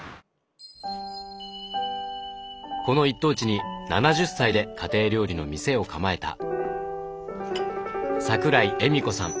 この一等地に７０歳で家庭料理の店を構えた桜井莞子さん。